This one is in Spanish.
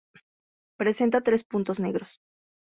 Presenta tres puntos negros.